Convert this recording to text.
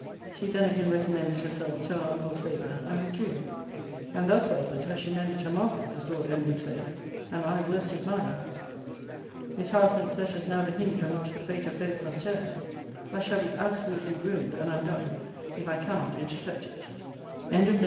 She then again recommended herself to her uncle's favour; and withdrew. And thus, Belford, has she mended her markets, as Lord M. would say, and I worsted mine. Miss Howe's next letter is now the hinge on which the fate of both must turn. I shall be absolutely ruined and undone, if I cannot intercept it. END OF VOL.